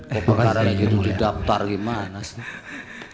kok perkara yang didaftar gimana sih